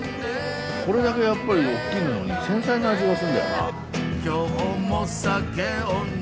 これだけやっぱり大きいのに繊細な味がするんだよな。